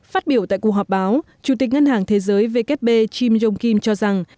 phát biểu tại cuộc họp báo chủ tịch ngân hàng thế giới vkp jim jong kim cho rằng